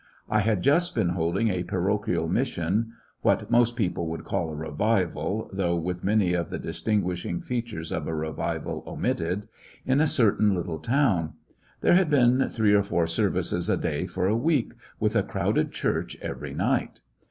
I had just been holding a parochial mission —what most people would call a revival, though with many of the distinguishing fea tures of a revival omitted— in a certain little town. There had been three or four services a day for a week, with a crowded church every night.